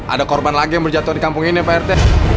ada korban lagi yang berjatuh di kampung ini prt